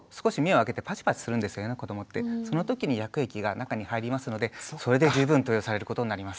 その時に薬液が中に入りますのでそれで十分投与されることになります。